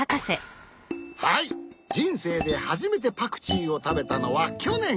はいじんせいではじめてパクチーをたべたのはきょねん！